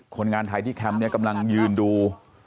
คนงานไทยที่แคมป์นี้กำลังยืนดู